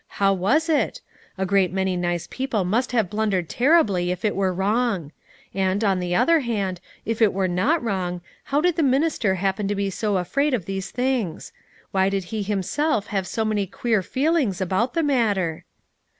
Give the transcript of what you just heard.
How was it? A great many nice people must have blundered terribly if it were wrong; and, on the other hand, if it were not wrong, how did the minister happen to be so afraid of these things? Why did he himself have so many queer feelings about the matter?